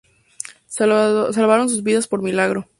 Salvaron sus vidas por milagro.